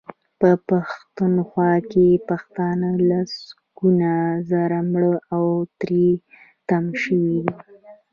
په پښتونخوا کې پښتانه لسګونه زره مړه او تري تم شوي دي.